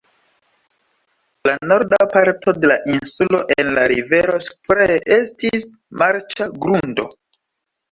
La norda parto de la insulo en la rivero Spree estis marĉa grundo.